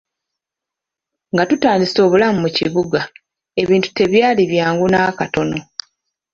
Nga tutandise obulamu mu kibuga ebintu tebyali byangu n'akatono.